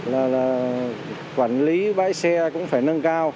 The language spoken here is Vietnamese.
là quản lý bãi xe cũng phải nâng cao